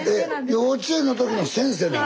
幼稚園の時の先生なの？